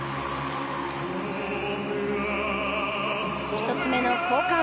１つ目の交換。